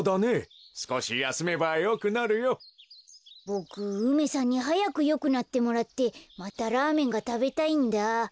ボク梅さんにはやくよくなってもらってまたラーメンがたべたいんだ。